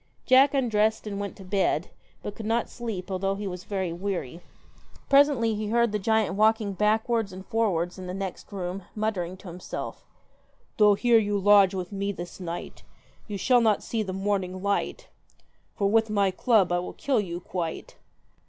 Jack undressed and went to bed, but could not sleep, although he was very weary. Presently he heard the giant walking backwards and forwards in the next room, muttering to himself 'Though here you lodge with me this night, You shall not see the morning light, For with my club I will kill you quite.'